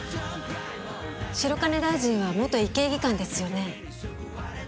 白金大臣は元医系技官ですよね